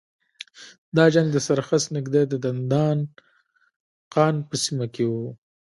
دا جنګ د سرخس نږدې د دندان قان په سیمه کې و.